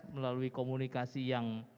melalui komunikasi yang